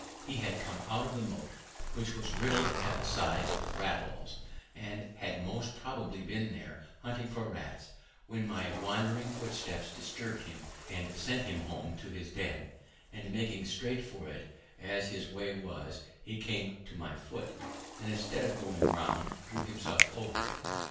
He had come out of the moat, which was riddled at the sides with rat holes, and had most probably been there hunting for rats when my wandering footsteps disturbed him and sent him home to his den; and making straight for it, as his way was, he came to my foot, and instead of going round drew himself over it.